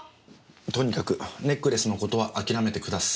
とにかくネックレスの事は諦めてください。